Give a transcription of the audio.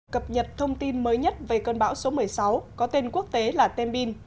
cập nhật thông tin mới nhất về cơn bão số một mươi sáu có tên quốc tế là tembin